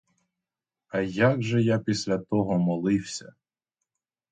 А як же я після того молився!